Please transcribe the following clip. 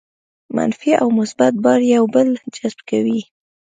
منفي او مثبت بار یو بل جذب کوي.